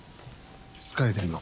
疲れてんの。